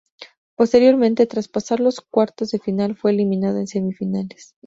Posteriormente tras pasar los cuartos de final, fue eliminado en semifinales.